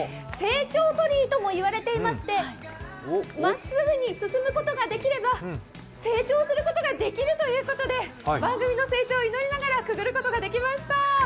成長鳥居とも言われてまして、真っ直ぐに進むことができれば、成長することができるということで、番組の成長を祈りながらくぐることができました。